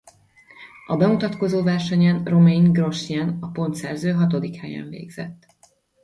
A bemutatkozó versenyen Romain Grosjean a pontszerző hatodik helyen végzett.